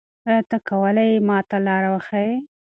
آیا ته کولای ېې ما ته لاره وښیې؟